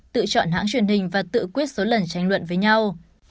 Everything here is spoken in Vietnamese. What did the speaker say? tự chọn hãng truyền hình và tự quyết số lần tranh luận với nhau